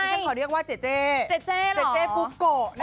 ผมขอเรียกว่าเจ๊เจ๊บุ๊ปโกะ